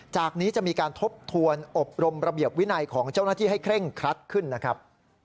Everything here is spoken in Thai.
จากนี้จะมีการทบทวนอบรมระเบียบวินัยของเจ้าหน้าที่ให้เคร่งครัดขึ้นนะครับ